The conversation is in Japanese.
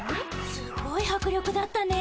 すごいはく力だったね。